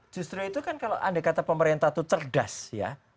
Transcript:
justru itu kan kalau andai kata pemerintah itu cerdas ya